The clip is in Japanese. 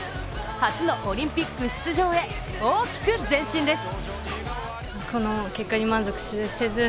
初のオリンピック出場へ大きく前進です。